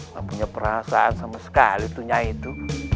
gak punya perasaan sama sekali punya itu